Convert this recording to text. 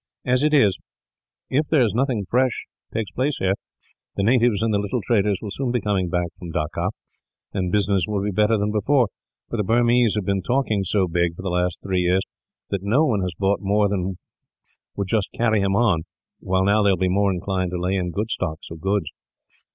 As it is, if there is nothing fresh takes place here, the natives and little traders will soon be coming back from Dacca, and business will be better than before; for the Burmese have been talking so big, for the last three years, that no one has bought more than would just carry him on; while now they will be more inclined to lay in good stocks of goods.